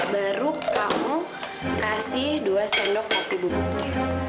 baru kamu kasih dua sendok kopi bubuknya